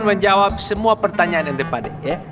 menjawab semua pertanyaan yang tepatnya